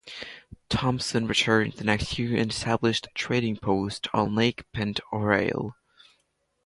Thompson returned the next year and established a trading post on Lake Pend Oreille.